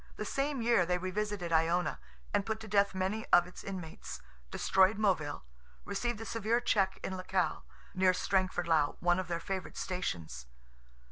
The same year they revisited Iona; and put to death many of its inmates; destroyed Moville; received a severe check in Lecale, near Strangford lough (one of their favourite stations).